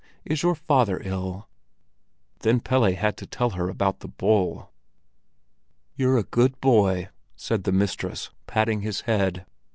Is your father ill?" Then Pelle had to tell her about the bull. "You're a good boy!" said the mistress, patting his head.